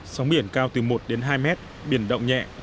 sóng biển cao từ một hai mét biển đậu nhẹ